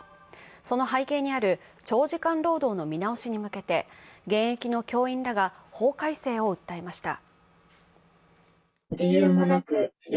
その背景にある長時間労働の見直しに向けて、現役の教員らが法改正を訴えました。